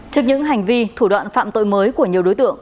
trước những hành vi thủ đoạn phạm tội mới của nhiều đối tượng